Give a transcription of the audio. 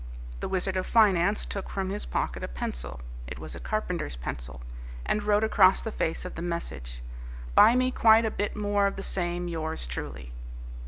The Wizard of Finance took from his pocket a pencil (it was a carpenter's pencil) and wrote across the face of the message: "Buy me quite a bit more of the same yours truly."